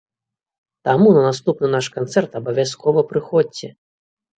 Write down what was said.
Таму на наступны наш канцэрт абавязкова прыходзьце!